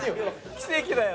奇跡だよ！